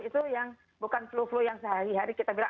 itu yang bukan flu flu yang sehari hari kita bilang